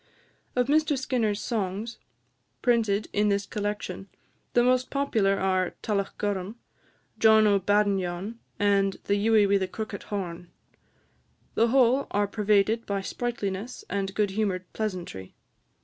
Of Mr Skinner's songs, printed in this collection, the most popular are "Tullochgorum," "John o' Badenyon," and "The Ewie wi' the Crookit Horn." The whole are pervaded by sprightliness and good humoured pleasantry.